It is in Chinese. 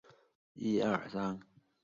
戴维斯出生于美国纽约布鲁克林。